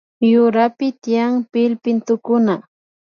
Yurapika tiyan pillpintukuna